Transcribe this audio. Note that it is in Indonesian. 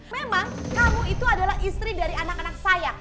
memang kamu itu adalah istri dari anak anak saya